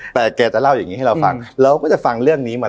แต่แกจะเล่าอย่างนี้ให้เราฟังเราก็จะฟังเรื่องนี้มา